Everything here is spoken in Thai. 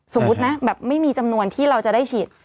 สมมุตินะแบบไม่มีจำนวนที่เราจะได้ฉีด